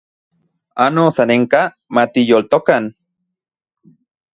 Ano sanenka matiyoltokan